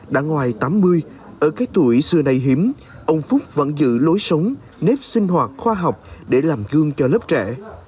đã ngoài tám mươi ở cái tuổi xưa nay hiếm ông phúc vẫn giữ lối sống nếp sinh hoạt khoa học để làm gương cho lớp trẻ